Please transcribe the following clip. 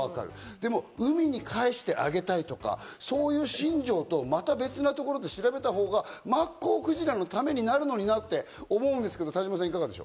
でも海にかえしてあげたいとか、そういう心情とはまた別なところで調べたほうがマッコウクジラのためになるのになって思うんですけど、田島さん。